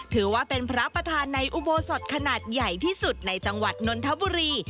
ถือว่าเป็นพระประธานในอุโบสถขนาดใหญ่ที่สุดในจังหวัดนนทบุรี